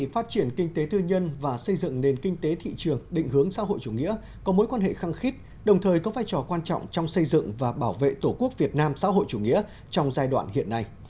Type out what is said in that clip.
phát triển kinh tế tư nhân và xây dựng nền kinh tế thị trường định hướng xã hội chủ nghĩa có mối quan hệ khăng khít đồng thời có vai trò quan trọng trong xây dựng và bảo vệ tổ quốc việt nam xã hội chủ nghĩa trong giai đoạn hiện nay